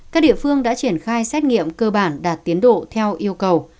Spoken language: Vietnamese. các địa phương đã triển khai xét nghiệm cơ bản đạt tiến độ theo yêu cầu